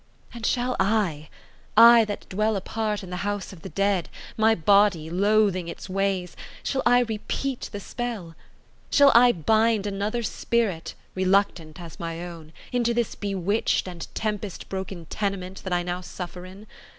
And shall I—I that dwell apart in the house of the dead, my body, loathing its ways—shall I repeat the spell? Shall I bind another spirit, reluctant as my own, into this bewitched and tempest broken tenement that I now suffer in?